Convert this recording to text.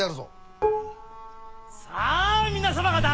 さあ皆様方！